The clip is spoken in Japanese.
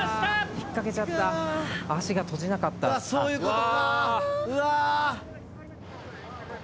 ・引っかけちゃった足が閉じなかった・そういう事かうわ！